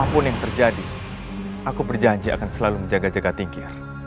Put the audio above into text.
kegelapan tengah menyelembuti desa tinggi